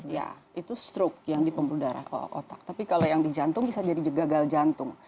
ya itu stroke yang di pembuluh darah otak tapi kalau yang di jantung bisa jadi gagal jantung